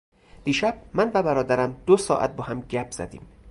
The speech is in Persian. دیشب من و برادرم دو ساعت با هم گپ زدیم.